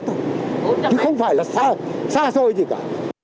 chứ không phải là xa xa xôi gì cả